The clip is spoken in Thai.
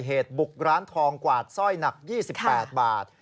เหตุบุกร้านทองกวาดสร้อยหนัก๒๘บาท